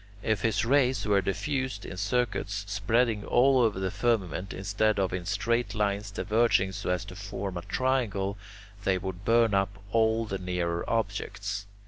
If his rays were diffused in circuits spreading all over the firmament, instead of in straight lines diverging so as to form a triangle, they would burn up all the nearer objects.